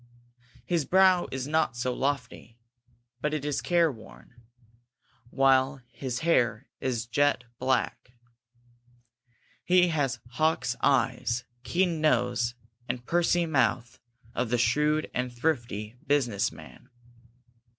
His brow is not so lofty, but it is care worn, while his hair is jet black. He has the hawk's eye, keen nose, and pursy mouth of the shrewd and thrifty business man.